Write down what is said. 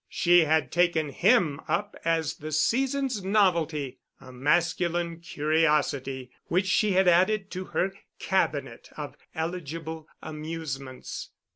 She had taken him up as the season's novelty, a masculine curiosity which she had added to her cabinet of eligible amusements.